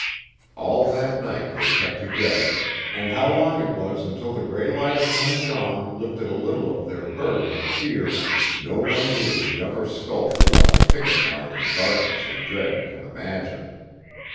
All that night they kept together, and how long it was until the gray light of coming dawn lifted a little of their burden of fear, no one who has never skulked along a picket line in darkness and dread can imagine!